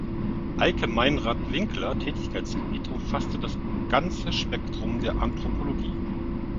Eike-Meinrad Winkler Tätigkeitsgebiet umfasste das ganze Spektrum der Anthropologie.